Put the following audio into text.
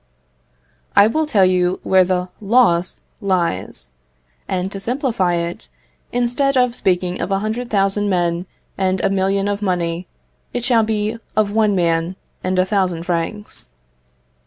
I will tell you where the loss lies; and to simplify it, instead of speaking of a hundred thousand men and a million of money, it shall be of one man and a thousand francs.